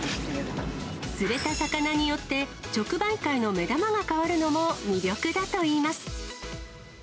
釣れた魚によって、直売会の目玉が変わるのも魅力だといいます。